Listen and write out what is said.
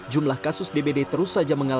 jumlah kasus dbd di wilayah kota palangkaraya